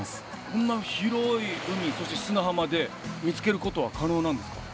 こんな広い海そして砂浜で見つけることは可能なんですか？